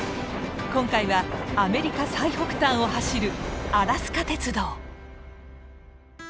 今回はアメリカ最北端を走るアラスカ鉄道。